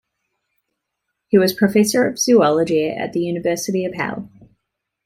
He was professor of zoology at the University of Halle.